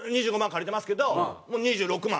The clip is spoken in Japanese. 借りてますけどもう２６万。